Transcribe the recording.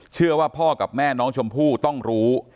เชื่อว่าพ่อกับแม่น้องชมพู่ต้องรู้